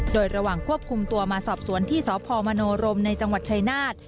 โดยระหว่างควบคุมตัวมาสอบสวนที่สพมโนรมในจังหวัดชายนาฏ